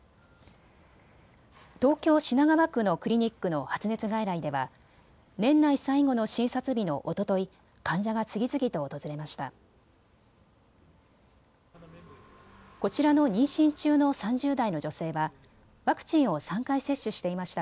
東京品川区のクリニックの発熱外来では年内最後の診察日のおととい患者が次々と訪れました。